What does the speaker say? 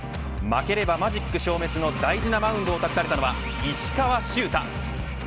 負ければマジック消滅の大事なマウンドを託されたのは石川柊太。